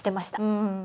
うん。